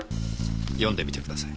読んでみてください。